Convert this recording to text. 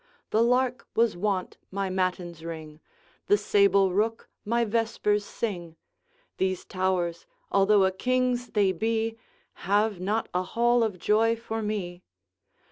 The lark was wont my matins ring, The sable rook my vespers sing; These towers, although a king's they be, Have not a hall of joy for me.